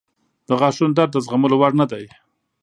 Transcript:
• د غاښونو درد د زغملو وړ نه دی.